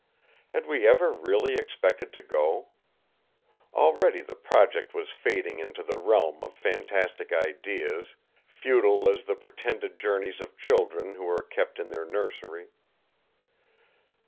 Had we ever really expected to go? Already the project was fading into the realm of fantastic ideas, futile as the pretended journeys of children who are kept in their nursery.